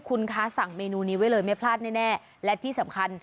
คุณคะสั่งเมนูนี้ไว้เลยไม่พลาดแน่และที่สำคัญ